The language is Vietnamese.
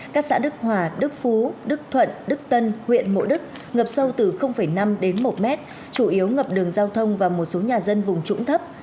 các xã đức hòa đức phú đức thuận đức tân huyện mộ đức ngập sâu từ năm đến một mét chủ yếu ngập đường giao thông và một số nhà dân vùng trũng thấp